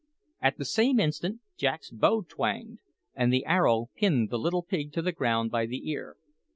At the same instant Jack's bow twanged, and the arrow pinned the little pig to the ground by the ear.